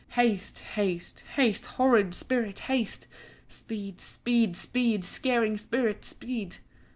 "Haste, haste, haste, horrid spirit, haste! Speed, speed, speed, scaring spirit, speed!